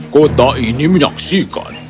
kota ini menyaksikan